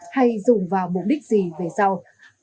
hay dùng vào mục đích gì về sau